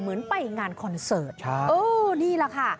เหมือนไปงานคอนเสิร์ตนี่แหละค่ะ